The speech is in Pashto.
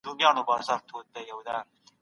په رباني مرحله کي استدلال کمزوری و.